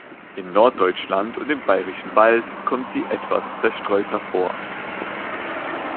In Norddeutschland und im Bayerischen Wald kommt sie etwas zerstreuter vor.